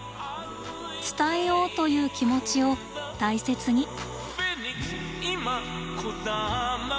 「伝えよう」という気持ちを大切に！